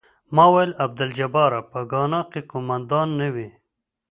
ما ویل عبدالجباره په ګانا کې قوماندان نه وې.